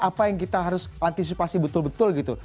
apa yang kita harus antisipasi betul betul gitu